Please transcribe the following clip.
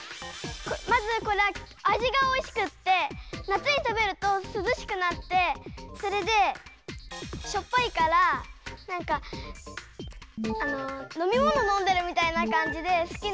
まずこれはあじがおいしくってなつにたべるとすずしくなってそれでしょっぱいからなんかのみもののんでるみたいなかんじですきなの。